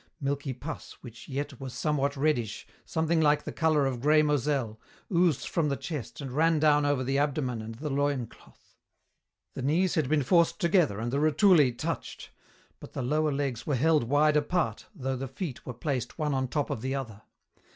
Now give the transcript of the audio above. Milky pus, which yet was somewhat reddish, something like the colour of grey Moselle, oozed from the chest and ran down over the abdomen and the loin cloth. The knees had been forced together and the rotulæ touched, but the lower legs were held wide apart, though the feet were placed one on top of the other.